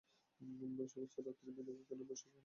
সমস্ত রাত্রি বিনয় ঐখানেই বসিয়া পাহারা দিয়াছে!